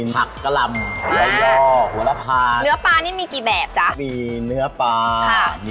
ว่ามักต้องเข้าถูกมากครับครับผม